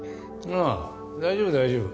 ああ大丈夫大丈夫。